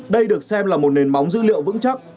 đây được xem là một nền móng dữ liệu vững chắc